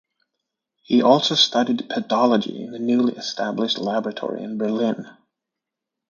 He also studied pedology in the newly established laboratory in Berlin.